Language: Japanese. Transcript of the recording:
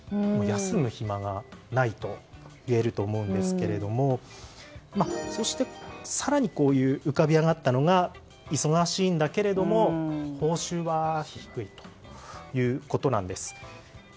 休む暇がないといえると思うんですけれどもそして、更に浮かび上がったのが忙しいんだけれども報酬は低いということなんです。